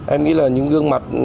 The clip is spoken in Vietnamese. em nghĩ là những gương mặt